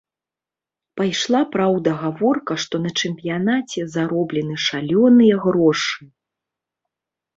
Пайшла, праўда, гаворка, што на чэмпіянаце зароблены шалёныя грошы.